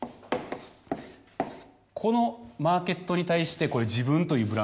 このマーケットに対して。